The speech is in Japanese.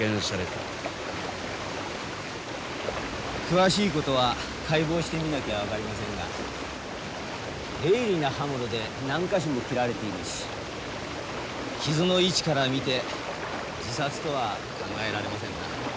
詳しい事は解剖してみなきゃ分かりませんが鋭利な刃物で何か所も切られているし傷の位置から見て自殺とは考えられませんな。